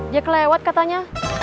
dia kelewat katanya